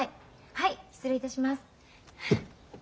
はい失礼いたします。